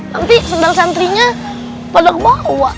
nanti sendal santrinya pada kebawa